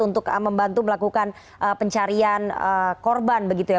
untuk membantu melakukan pencarian korban begitu ya